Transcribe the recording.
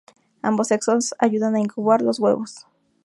Ambos sexos ayudan a incubar los huevos.